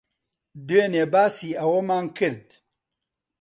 دوێنێ باسی ئەوەمان کرد.